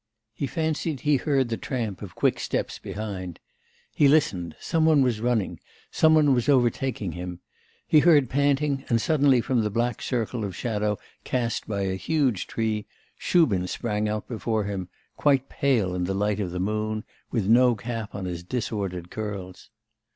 He fancied he heard the tramp of quick steps behind. He listened: some one was running, some one was overtaking him; he heard panting, and suddenly from a black circle of shadow cast by a huge tree Shubin sprang out before him, quite pale in the light of the moon, with no cap on his disordered curls.